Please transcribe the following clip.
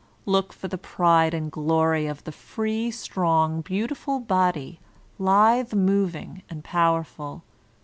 Look for the pride and glory of the free, strong, beautiful body, lithe mov ing and powerful.